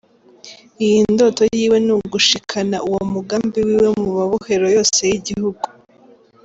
Iyindi ndoto yiwe ni ugushikana uwo mugambi wiwe mu mabohero yose y'igihugu.